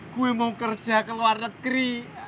gue mau kerja ke luar negeri